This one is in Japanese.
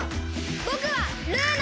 ぼくはルーナ！